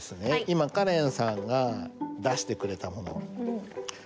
今カレンさんが出してくれたもの。